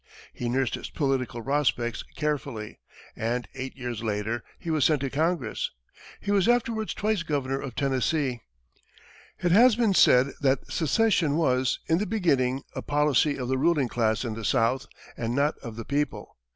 He nursed his political prospects carefully, and eight years later, was sent to Congress. He was afterwards twice governor of Tennessee. It has been said that secession was, in the beginning, a policy of the ruling class in the South and not of the people.